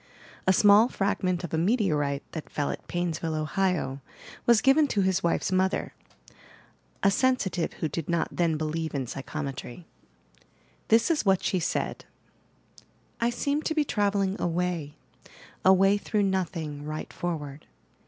A small fragment of a Meteorite that fell at Painsville, Ohio, was given to his wife's mother, a sen 84 YOUR PSYCniC POWERS sitive, who did not then believe in psychomctry. This is what she said: "I seem to be travelling away, away through nothing, right forward.